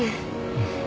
うん。